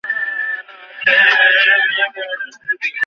তিনি দীর্ঘতর আর একটি বই রচনা করেন বছর বারো বাদে।